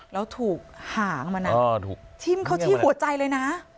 แล้วถูกหางมานะชิมเขาที่หัวใจเลยนะ